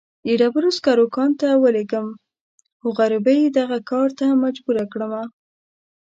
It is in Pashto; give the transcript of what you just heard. د ډبرو سکرو کان ته ولېږم، خو غريبۍ دغه کار ته مجبوره کړمه.